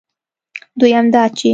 دویم دا چې